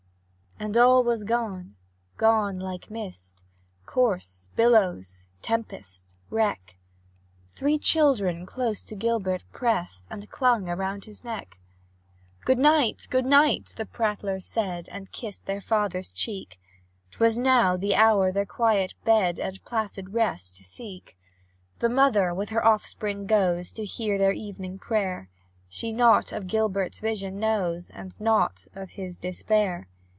And all was gone gone like a mist, Corse, billows, tempest, wreck; Three children close to Gilbert prest And clung around his neck. Good night! good night! the prattlers said, And kissed their father's cheek; 'Twas now the hour their quiet bed And placid rest to seek. The mother with her offspring goes To hear their evening prayer; She nought of Gilbert's vision knows, And nought of his despair.